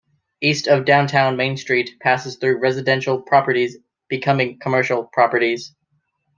East of downtown Main Street passes through residential properties becoming commercial properties.